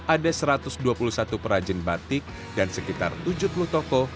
ada satu ratus dua puluh satu perajin batik dan sekitar tujuh puluh toko